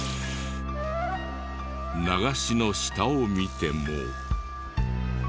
流しの下を見ても。